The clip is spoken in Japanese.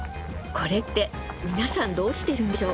これって皆さんどうしているんでしょう？